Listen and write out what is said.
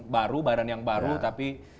baru badan yang baru tapi